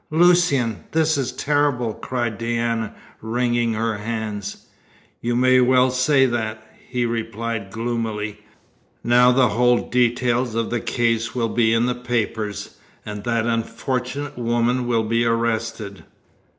"Lucian! this is terrible!" cried Diana, wringing her hands. "You may well say that," he replied gloomily. "Now the whole details of the case will be in the papers, and that unfortunate woman will be arrested."